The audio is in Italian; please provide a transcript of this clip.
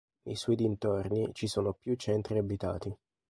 Nei suoi dintorni ci sono più centri abitati.